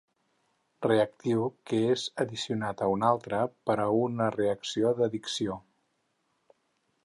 Reactiu que és addicionat a un altre per a una reacció d'addició.